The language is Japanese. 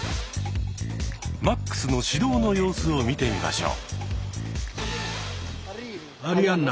マックスの指導の様子を見てみましょう。